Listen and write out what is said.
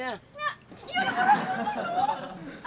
ya udah buruan